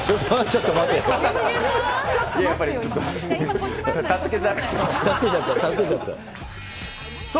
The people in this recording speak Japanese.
ちょっと待ってよ、今。